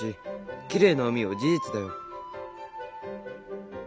きれいな海は事実だよ。